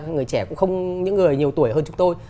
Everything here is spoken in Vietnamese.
người trẻ cũng không những người nhiều tuổi hơn chúng tôi